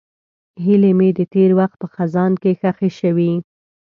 هیلې مې د تېر وخت په خزان کې ښخې شوې.